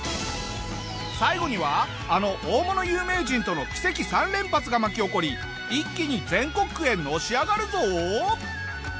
最後にはあの大物有名人との奇跡３連発が巻き起こり一気に全国区へのし上がるぞ！